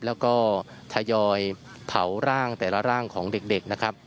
แล้วก็ทยอยเผาร่างแต่ละร่างของเด็กนะครับ